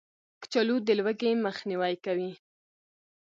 کچالو د لوږې مخنیوی کوي